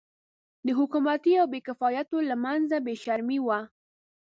د حکومتي او بې کفایتو له منځه بې شرمي وه.